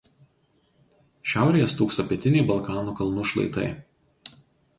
Šiaurėje stūkso pietiniai Balkanų kalnų šlaitai.